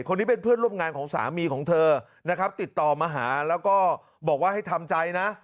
คนนี้เป็นเพื่อนร่วมงานของสามีของเธอนะครับติดต่อมาหาแล้วก็บอกว่าให้ทำใจนะ